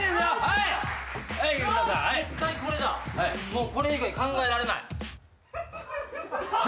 もうこれ以外考えられない。